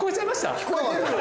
聞こえてるよ！